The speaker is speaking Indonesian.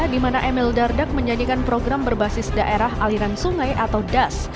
di mana emil dardak menyanyikan program berbasis daerah aliran sungai atau das